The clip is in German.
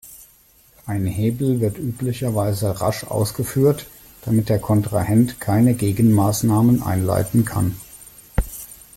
Ein Hebel wird üblicherweise rasch ausgeführt, damit der Kontrahent keine Gegenmaßnahmen einleiten kann.